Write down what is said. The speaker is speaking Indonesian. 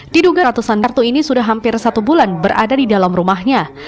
diduga ratusan kartu ini sudah hampir satu bulan berada di dalam rumahnya